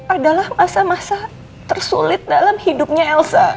adalah masa masa tersulit dalam hidupnya elsa